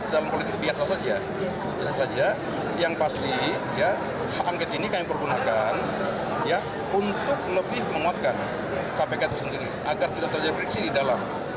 agar tidak terjadi breksi di dalam